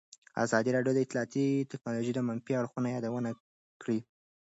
ازادي راډیو د اطلاعاتی تکنالوژي د منفي اړخونو یادونه کړې.